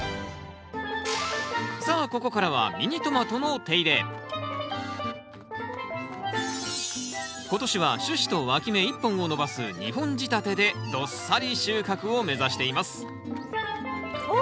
さあここからは今年は主枝とわき芽１本を伸ばす２本仕立てでどっさり収穫を目指していますお！